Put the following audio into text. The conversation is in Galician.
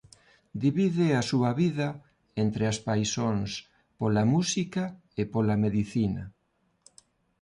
Divide a súa vida entre as paixóns pola música e pola medicina.